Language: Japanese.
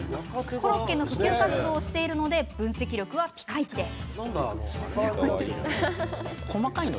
コロッケの普及活動をしているので分析力はピカイチです。